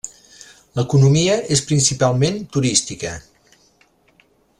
L'economia és principalment turística.